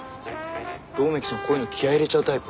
百目鬼ちゃんこういうの気合入れちゃうタイプ？